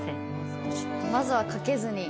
まずは掛けずに。